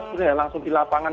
sebenarnya langsung dilakukan